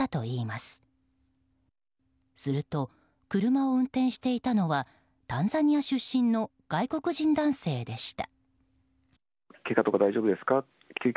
すると、車を運転していたのはタンザニア出身の外国人男性でした。